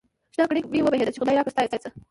شنه گړنگ مې بهيده ، چې خداى راکړه ستا يې څه ؟